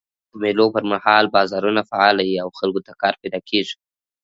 د مېلو پر مهال بازارونه فعاله يي او خلکو ته کار پیدا کېږي.